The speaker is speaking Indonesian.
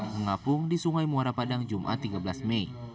mengapung di sungai muara padang jumat tiga belas mei